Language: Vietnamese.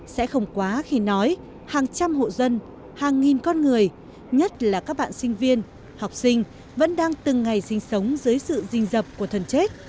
sẽ không quá khi nói hàng trăm hộ dân hàng nghìn con người nhất là các bạn sinh viên học sinh vẫn đang từng ngày sinh sống dưới sự rình dập của thần chết